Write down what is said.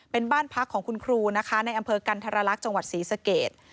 เป็นบ้านพักของคุณครูนะคะในอำเภอกันธรรลักษณ์จังหวัดศรีสเกต